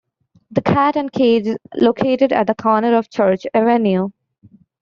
The Cat and Cage is located at the corner of Church Avenue.